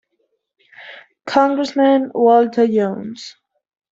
Congressman Walter Jones.